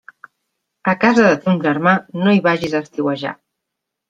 A casa de ton germà, no hi vagis a estiuejar.